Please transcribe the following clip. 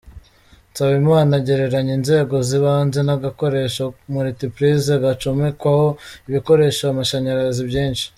Nsabimana agereranya inzego z’ibanze n’agakoresho ‘multiprise’ gacomekwaho ibikoresha amashanyarazi byinshi.